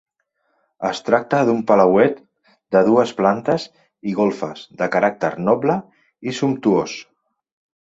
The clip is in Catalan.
Es tracta d'un palauet de dues plantes i golfes, de caràcter noble i sumptuós.